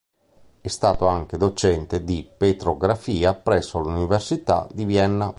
È stato anche docente di petrografia presso l'Università di Vienna.